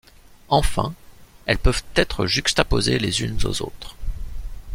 Enfin, elles peuvent être juxtaposées les unes aux autres.